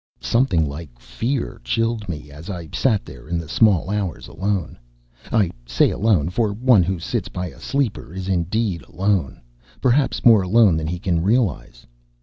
Something like fear chilled me as I sat there in the small hours alone I say alone, for one who sits by a sleeper is indeed alone; perhaps more alone than he can realize.